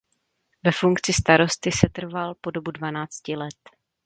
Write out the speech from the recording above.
Ve funkci starosty setrval po dobu dvanácti let.